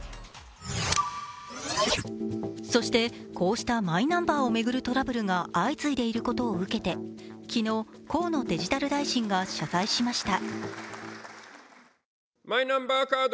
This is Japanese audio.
そして、こうしたマイナンバーを巡るトラブルが相次いでいることを受けて昨日、河野デジタル大臣が謝罪しました。